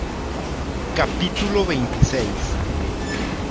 capítulo veintiséis.